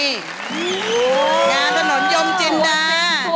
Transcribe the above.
งานถนนยมจินดา